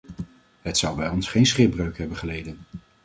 Het zou bij ons geen schipbreuk hebben geleden.